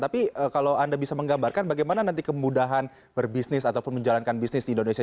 tapi kalau anda bisa menggambarkan bagaimana nanti kemudahan berbisnis ataupun menjalankan bisnis di indonesia